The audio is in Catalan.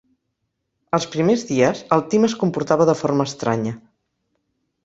Els primers dies el Tim es comportava de forma estranya.